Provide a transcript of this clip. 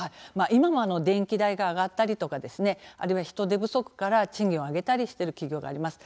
今も電気代が上がったりとか、あるいは人手不足から賃金を上げたりしている企業があります。